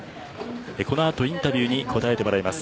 この後インタビューに答えてもらいます。